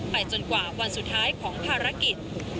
จนกว่าวันสุดท้ายของภารกิจ